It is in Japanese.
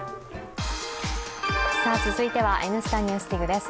続いては「Ｎスタ・ＮＥＷＳＤＩＧ」です。